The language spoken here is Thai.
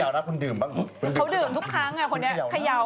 เขารับนักคำดื่มบ้างนะครับเขาดื่มทุกครั้งอ่ะคนนี้เขย่า